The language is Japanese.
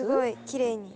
きれいに。